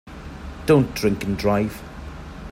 Don’t drink and drive.